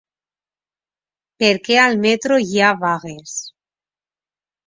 Perquè al metro hi ha vagues.